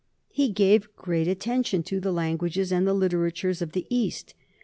He gave great attention to the languages and the literatures of the East.